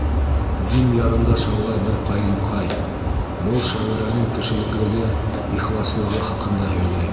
Дим ярында шаулай бер ҡайынҡай, Был шағирәнең кешелеклелеге, ихласлығы хаҡында һөйләй.